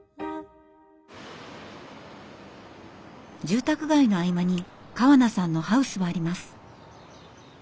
住宅街の合間に川名さんのハウスはあります。